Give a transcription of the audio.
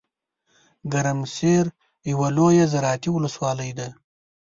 ګرمسیر یوه لویه زراعتي ولسوالۍ ده .